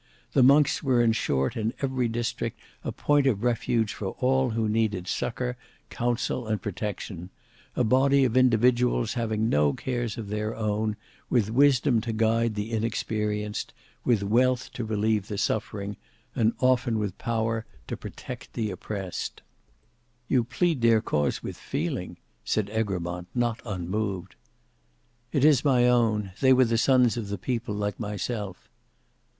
The monks were in short in every district a point of refuge for all who needed succour, counsel, and protection; a body of individuals having no cares of their own, with wisdom to guide the inexperienced, with wealth to relieve the suffering, and often with power to protect the oppressed." "You plead their cause with feeling," said Egremont, not unmoved. "It is my own; they were the sons of the People, like myself."